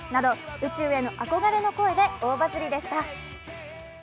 宇宙へのあこがれの声で大バズりでした。